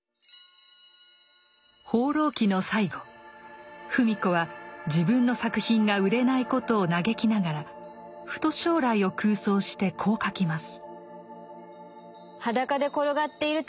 「放浪記」の最後芙美子は自分の作品が売れないことを嘆きながらふと将来を空想してこう書きます。